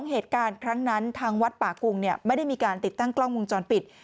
เหตุการณ์ครั้งนั้นทางวัดป่ากุงไม่ได้มีการติดตั้งกล้องวงจรปิด